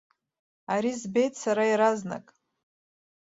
Ари збеит сара иаразнак.